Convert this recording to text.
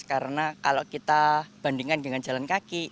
karena kalau kita bandingkan dengan jalan kaki